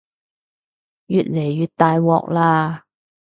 越嚟越大鑊喇